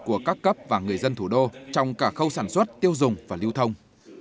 của các cấp và người dân thủ đô trong cả khâu sản xuất tiêu dùng và lưu thông